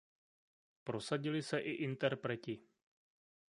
Prosadili se i interpreti.